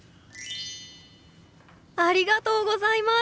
ありがとうございます。